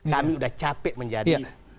kami sudah capek menjadi